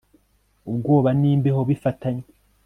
ubwoba n'imbeho bifatanye